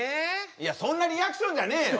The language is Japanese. いやそんなリアクションじゃねえよ